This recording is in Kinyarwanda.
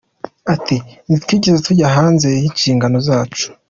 Ati “Ntitwigeze tujya hanze y’inshingano zacu.